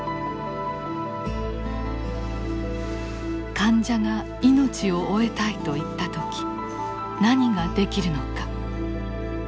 患者が命を終えたいと言ったとき何ができるのか。